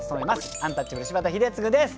アンタッチャブル柴田英嗣です。